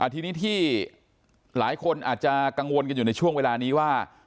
ทีนี้ที่หลายคนอาจจะกังวลกันอยู่ในช่วงเวลานี้ว่า